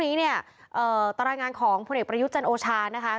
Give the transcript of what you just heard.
นี้เนี่ยเอ่อตารางงานของพระเนกประยุทธจันทร์โอชานะคะ